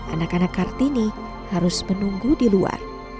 anak anak kartini harus menunggu di luar